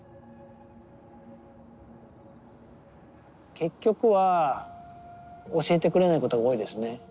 結局は教えてくれないことが多いですね。